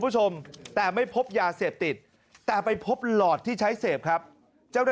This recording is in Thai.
ผู้ชมแต่ไม่พบยาเสพติดแต่ไปพบหลอดที่ใช้เสพครับเจ้า